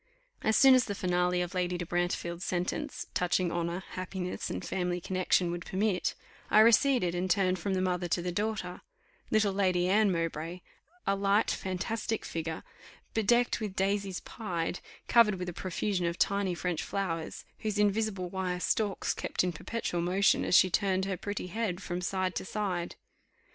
As soon as the finale of Lady de Brantefield's sentence, touching honour, happiness, and family connexion, would permit, I receded, and turned from the mother to the daughter, little Lady Anne Mowbray, a light fantastic figure, bedecked with "daisies pied," covered with a profusion of tiny French flowers, whose invisible wire stalks kept in perpetual motion as she turned her pretty head from side to side.